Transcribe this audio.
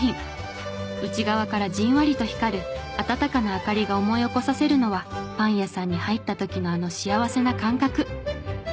内側からじんわりと光る温かな明かりが思い起こさせるのはパン屋さんに入った時のあの幸せな感覚。